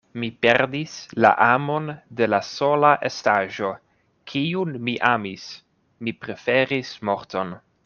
Mi perdis la amon de la sola estaĵo, kiun mi amis; mi preferis morton.